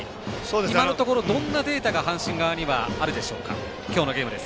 今のところ、どんなデータが阪神側にはあるでしょうか。